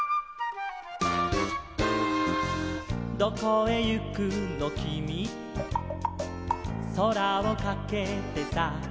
「どこへ行くのきみ」「空をかけてさ」